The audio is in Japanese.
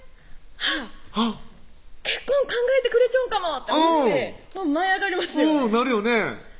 あっ結婚考えてくれちょんかもと思って舞い上がりますよなるよね